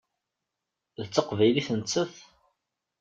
D taqbaylit nettat.